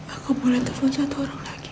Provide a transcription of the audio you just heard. aku boleh telepon satu orang lagi